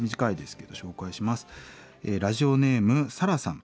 ラジオネームさらさん。